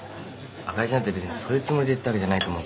あかりちゃんだって別にそういうつもりで言ったわけじゃないと思うから。